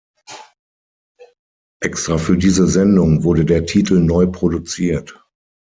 Extra für diese Sendung wurde der Titel neu produziert.